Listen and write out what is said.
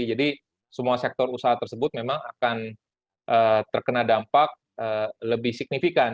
jadi semua sektor usaha tersebut memang akan terkena dampak lebih signifikan